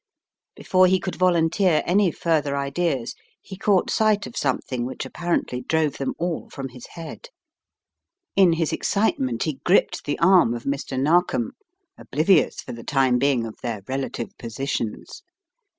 Before he could volunteer any further ideas, he caught sight of something which apparently drove them all from his head. A Shot in the Dark 113 In his excitement he gripped the arm of Mr. Nar kom, oblivious for the time being of their relative positions.